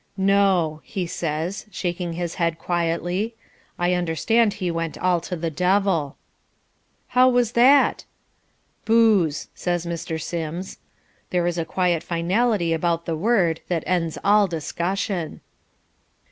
"No," he says, shaking his head quietly. "I understand he went all to the devil." "How was that?" "Booze," says Mr. Sims. There is a quiet finality about the word that ends all discussion.